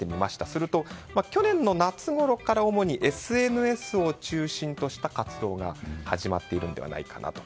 すると去年の夏ごろから主にＳＮＳを中心とした活動が始まっているのではないかなと。